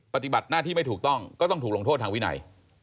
ปฏิบัติหน้าที่ไม่ถูกต้องก็ต้องถูกลงโทษทางวินัย